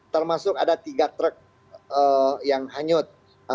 termasuk ada tiga truk yang hanyut